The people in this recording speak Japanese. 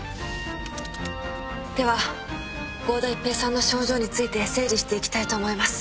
では郷田一平さんの症状について整理していきたいと思います。